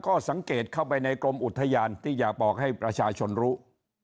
ก็สังเกตเข้าไปในกรมอุทยานที่อยากบอกให้ประชาชนรู้